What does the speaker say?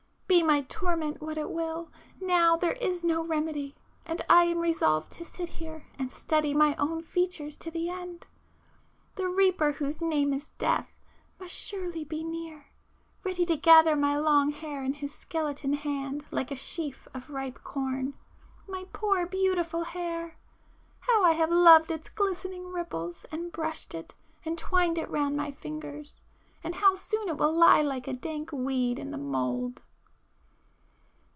Be my torment what it will, now there is no remedy,—and I am resolved to sit here and study my own features to the end. 'The reaper whose name is Death' must surely be near, ready to gather my long hair in his skeleton hand like a sheaf of ripe corn, ... my poor beautiful hair!—how I have loved its glistening ripples, and brushed it, and twined it round my fingers, ... and how soon it will lie like a dank weed in the mould!